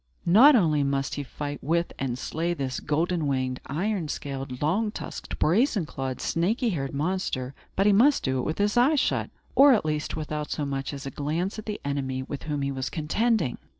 Not only must he fight with and slay this golden winged, iron scaled, long tusked, brazen clawed, snaky haired monster, but he must do it with his eyes shut, or, at least, without so much as a glance at the enemy with whom he was contending.